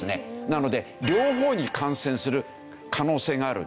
なので両方に感染する可能性がある。